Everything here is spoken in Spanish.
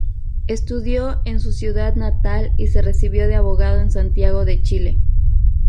Estudió en su ciudad natal y se recibió de abogado en Santiago de Chile.